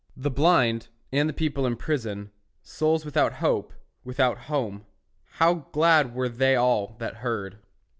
The blind, and the people in prison, Souls without hope, without home, How glad were they all that heard!